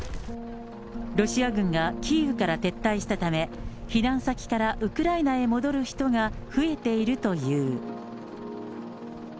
ロシア軍がキーウから撤退したため、避難先からウクライナへ戻る人が増えているという。